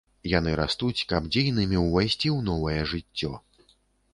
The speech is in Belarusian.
Яны растуць, каб дзейнымі ўвайсці ў новае жыццё.